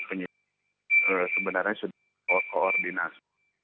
dan penyidiknya sebenarnya sudah koordinasi